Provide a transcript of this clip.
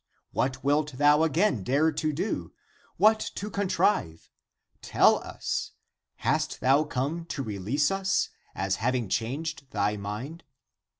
What wilt thou again dare to do, what to contrive ? Tell us. Hast thou come to release us, as having changed thy mind?